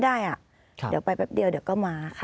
เดี๋ยวไปแป๊บเดียวเดี๋ยวก็มาค่ะ